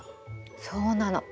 そうなの。